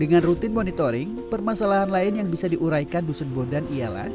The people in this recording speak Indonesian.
dengan rutin monitoring permasalahan lain yang bisa diuraikan dusun bondan ialah